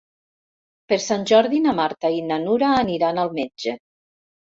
Per Sant Jordi na Marta i na Nura aniran al metge.